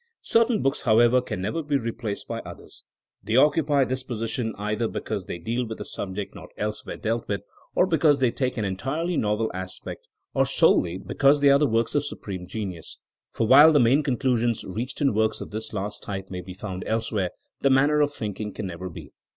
Certain books, however, can never be replaced by others. They occupy this position either be cause they deal with a subject not elsewhere dealt with or because they take an entirely novel aspect, or solely because they are the works of supreme genius, for while the main conclusions reached in works of this last type may be found elsewhere, the manner of thinking can never be.